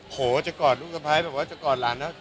โหจะกอดลูกสะพ้ายแบบว่าจะกอดหลานนะ